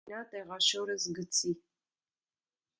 - Գնա տեղաշորս գցի: